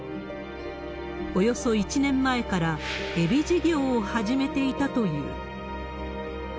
およそ１年前から、エビ事業を始めていたという。